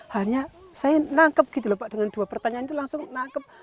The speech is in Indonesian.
hanya saya nangkep dengan dua pertanyaan itu langsung nangkep